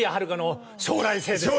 将来性ですか。